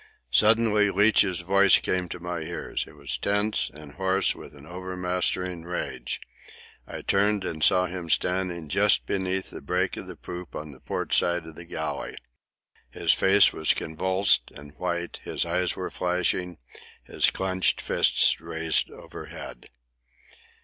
Suddenly Leach's voice came to my ears. It was tense and hoarse with an overmastering rage. I turned and saw him standing just beneath the break of the poop on the port side of the galley. His face was convulsed and white, his eyes were flashing, his clenched fists raised overhead.